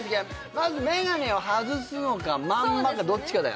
まず眼鏡を外すのかまんまかどっちかだよね？